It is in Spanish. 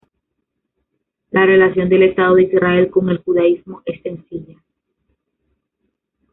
La relación del Estado de Israel con el judaísmo es sencilla.